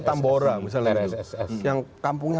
tambora misalnya yang kampungnya